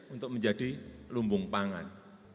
untuk menjadi lumbung pangan